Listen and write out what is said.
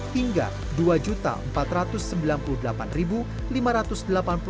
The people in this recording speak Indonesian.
hingga rp dua di jawa tengah